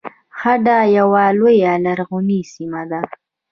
هډه یوه لویه لرغونې سیمه ده